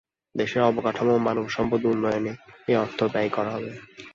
দেশের অবকাঠামো ও মানবসম্পদ উন্নয়নে এ অর্থ ব্যয় করা হবে।